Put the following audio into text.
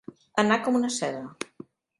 Anar com una seda.